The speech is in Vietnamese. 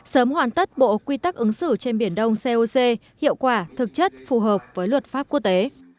sớm hoàn tất bộ quy tắc ứng xử trên biển đông coc hiệu quả thực chất phù hợp với luật pháp quốc tế